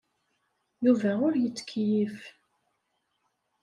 Yuba ur yettkeyyif.